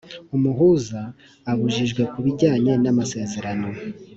umuhuza abujijwe kubijyanye n amasezerano